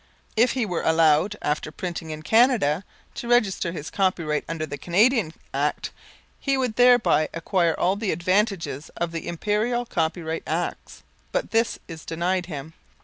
If he were allowed after printing in Canada to register his copyright under the Canadian Act he would thereby acquire all the advantages of the Imperial Copyright Acts; but this is denied him.